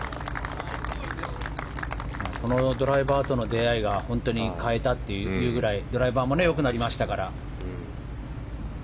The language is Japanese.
このドライバーとの出会いが変えたというぐらいドライバーも良くなりましたから。